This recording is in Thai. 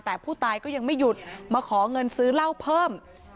แต่ผู้ตายก็ยังไม่หยุดมาขอเงินซื้อเหล้าเพิ่ม